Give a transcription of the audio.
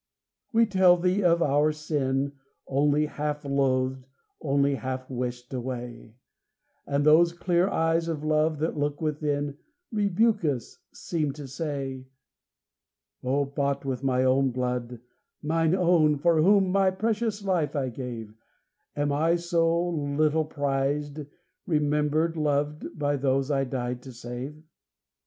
We tell Thee of our sin Only half loathed, only half wished away, And those clear eyes of Love that look within Rebuke us, seem to say, "O, bought with my own blood, Mine own, for whom my precious life I gave, Am I so little prized, remembered, loved, By those I died to save?"